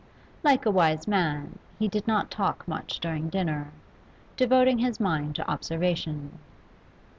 Like a wise man, he did not talk much during dinner, devoting his mind to observation.